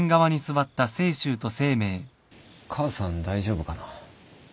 母さん大丈夫かな？